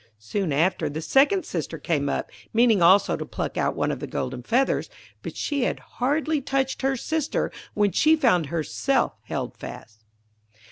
Soon after, the second sister came up, meaning also to pluck out one of the golden feathers; but she had hardly touched her sister when she found herself held fast.